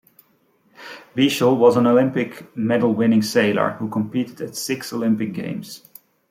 Beashel was an Olympic medal winning sailor who competed at six Olympic games.